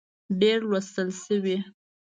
ډېر لوستل شوي